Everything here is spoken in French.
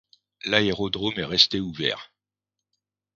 L'aérodrome est resté ouvert.